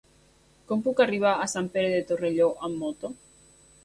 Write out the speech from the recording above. Com puc arribar a Sant Pere de Torelló amb moto?